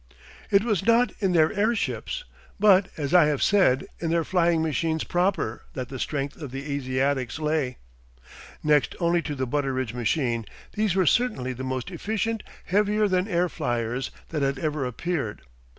It was not in their airships, but, as I have said, in their flying machines proper, that the strength of the Asiatics lay. Next only to the Butteridge machine, these were certainly the most efficient heavier than air fliers that had ever appeared.